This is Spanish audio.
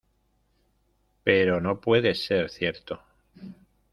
Pero no no puede ser cierto